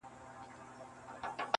په لرغونو زمانو کي یو حاکم وو-